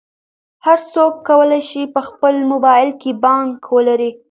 هر څوک کولی شي په خپل موبایل کې بانک ولري.